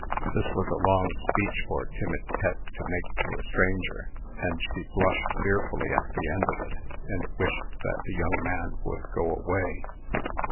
This was a long speech for timid Pet to make to a stranger, and she blushed fearfully at the end of it, and wished that the young man would go away.